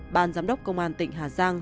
bàn giám đốc công an tỉnh hà giang